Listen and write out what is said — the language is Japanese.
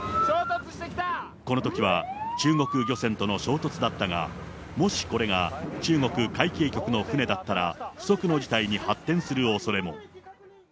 このときは、中国漁船との衝突だったが、もしこれが中国海警局の船だったら、不測の事態に発展するおそれも。